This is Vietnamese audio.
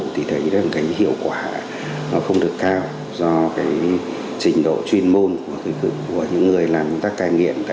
chúng tôi nghĩ hiệu quả không được cao do trình độ chuyên môn của những người làm công tác tai nghiệp